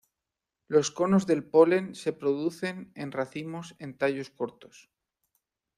Los conos del polen se producen en racimos en tallos cortos.